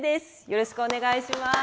よろしくお願いします。